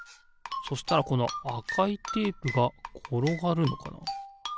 そしたらこのあかいテープがころがるのかな？